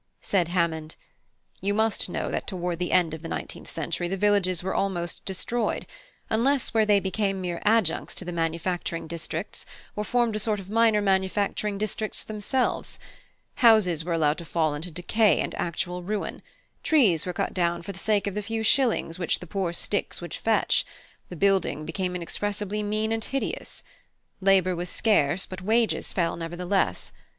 Said Hammond: "You must know that toward the end of the nineteenth century the villages were almost destroyed, unless where they became mere adjuncts to the manufacturing districts, or formed a sort of minor manufacturing districts themselves. Houses were allowed to fall into decay and actual ruin; trees were cut down for the sake of the few shillings which the poor sticks would fetch; the building became inexpressibly mean and hideous. Labour was scarce; but wages fell nevertheless.